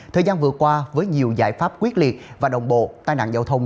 thời gian vừa qua với nhiều giải pháp quyết liệt và đồng bộ tai nạn giao thông